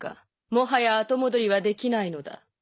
もはや後戻りはできないのだ。